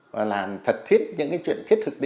và làm thật thiết những cái chuyện thiết thực đi